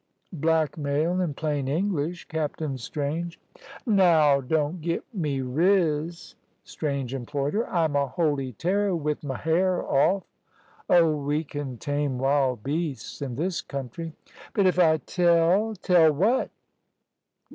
"Blackmail, in plain English, Captain Strange." "Naow don't git me riz," Strange implored her. "I'm a holy terror with m' hair off." "Oh, we can tame wild beasts in this country." "But if I tell " "Tell what?"